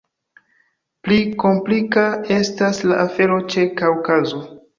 Pli komplika estas la afero ĉe Kaŭkazo.